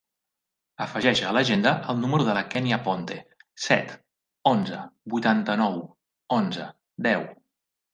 Afegeix a l'agenda el número de la Kènia Ponte: set, onze, vuitanta-nou, onze, deu.